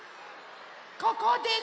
ここです。